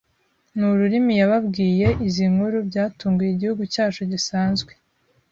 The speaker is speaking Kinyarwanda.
nururimi yababwiye izi nkuru byatunguye igihugu cyacu gisanzwe